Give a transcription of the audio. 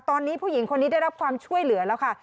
ตอนนี้ผู้หญิงคนนี้ได้รับความช่วยเหลือแล้วค่ะ